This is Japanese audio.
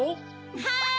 はい！